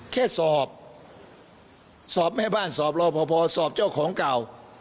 แค่สอบสอบแม่บ้านสอบรอพอพอสอบเจ้าของเก่า